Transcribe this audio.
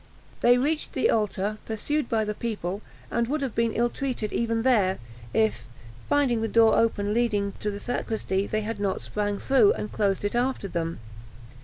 They reached the altar, pursued by the people, and would have been ill treated even there, if, finding the door open leading to the sacristy, they had not sprang through, and closed it after them.